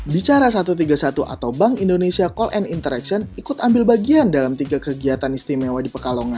bicara satu ratus tiga puluh satu atau bank indonesia call and interaction ikut ambil bagian dalam tiga kegiatan istimewa di pekalongan